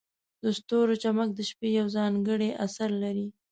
د ستورو چمک د شپې یو ځانګړی اثر لري.